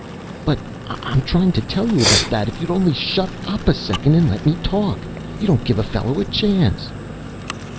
"But I'm trying to tell you about that, if you'd only shut up a second and let me talk. You don't give a fellow a chance."